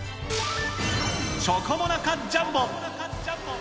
チョコモナカジャンボ。